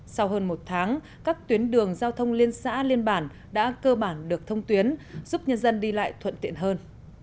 sau hơn một tháng các tuyến đường giao thông liên xã liên bản đã cơ bản được thông tuyến giúp nhân dân đi lại thuận tiện hơn